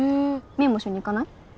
芽衣も一緒に行かない？